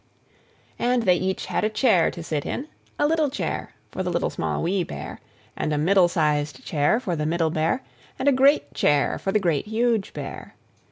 And they had each a chair to sit in; a little chair for the Little, Small, Wee Bear; and a middle sized chair for the Middle Bear, and a great chair for the Great, Huge Bear.